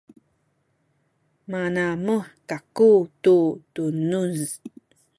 manamuh kaku tu tunuz